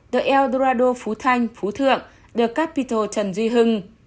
the el dorado phú thanh phú thượng the capital trần duy hưng